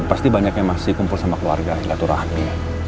pasti banyak yang masih kumpul sama keluarga ilatuh rahmi